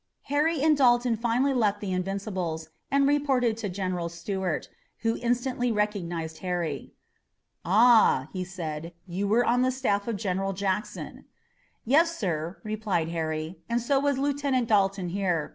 Harry and Dalton finally left the Invincibles and reported to General Stuart, who instantly recognized Harry. "Ah," he said, "you were on the staff of General Jackson!" "Yes, sir," replied Harry, "and so was Lieutenant Dalton here.